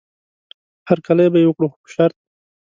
هرکلی به یې وکړي خو په شرط.